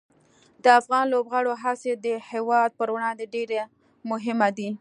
د افغان لوبغاړو هڅې د هېواد پر وړاندې ډېره مهمه دي.